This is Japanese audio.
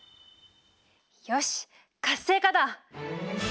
よし活性化だ！